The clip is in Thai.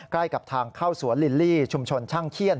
ใกล้กับทางเข้าสวนลิลลี่ชุมชนช่างเขี้ยน